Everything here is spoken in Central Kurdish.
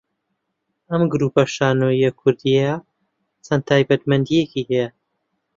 ئەم گروپە شانۆیییە کوردییە چەند تایبەتمەندییەکی هەیە